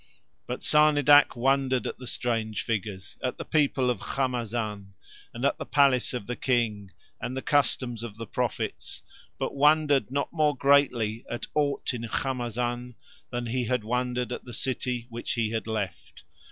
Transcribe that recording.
But Sarnidac wondered at the strange figures, at the people of Khamazan, and at the palace of the King and the customs of the prophets, but wondered not more greatly at aught in Khamazan than he had wondered at the city which he had left.